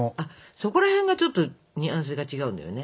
そこらへんがちょっとニュアンスが違うんだよね。